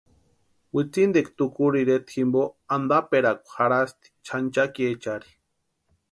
Witsintikwa Takuru ireta jimpo antaperakwa jarhasti xanchakiechari.